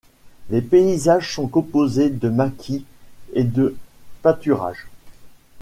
Les paysages sont composés de maquis et de pâturages.